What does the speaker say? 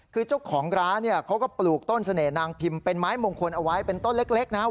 คือเจ้าของร้านเนี่ยเขาก็ปลูกต้นเสน่หนางพิมพ์เป็นไม้มงคลเอาไว้เป็นต้นเล็กนะครับ